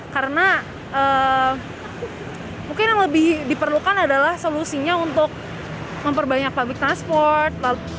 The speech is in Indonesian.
karena mungkin yang lebih diperlukan adalah solusinya untuk memperbanyak public transport